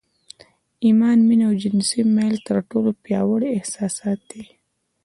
ايمان، مينه او جنسي ميل تر ټولو پياوړي احساسات دي.